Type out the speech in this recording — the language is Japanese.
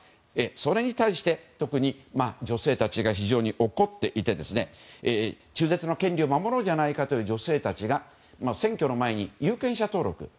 それに対して特に女性たちが非常に怒っていて中絶の権利を守ろうじゃないかという女性たちが選挙の前に有権者登録を。